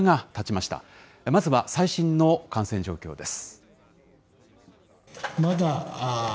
まずは最新の感染状況です。